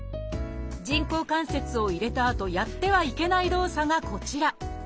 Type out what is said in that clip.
人工関節を入れたあとやってはいけない動作がこちら。